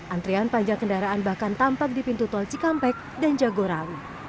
antrian panjang kendaraan bahkan tampak di pintu tol cikampek dan jagorawi